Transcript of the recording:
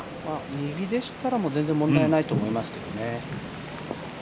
右でしたら全然問題ないと思いますけどね。